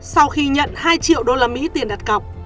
sau khi nhận hai triệu usd tiền đặt cọc